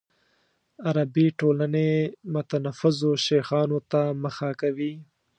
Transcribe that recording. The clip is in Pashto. عربي ټولنې متنفذو شیخانو ته مخه کوي.